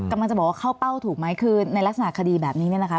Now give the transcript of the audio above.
กำลังจะบอกว่าเข้าเป้าถูกไหมคือในลักษณะคดีแบบนี้เนี่ยนะคะ